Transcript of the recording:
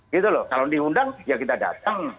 gitu loh kalau diundang ya kita datang